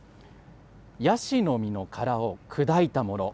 ヤシの実のからを砕いたもの。